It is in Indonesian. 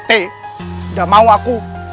tidak mau aku